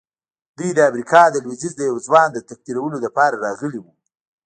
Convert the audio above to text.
دوی د امريکا د لويديځ د يوه ځوان د تقديرولو لپاره راغلي وو.